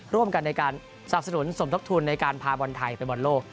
ร่วมกันในการสนับสนุนสมทบทุนในการพาบอลไทยไปบอลโลก